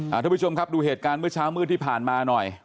ทุกผู้ชมครับดูเหตุการณ์เมื่อเช้ามืดที่ผ่านมาหน่อย